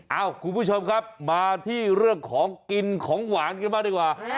คุณผู้ชมครับมาที่เรื่องของกินของหวานกันบ้างดีกว่า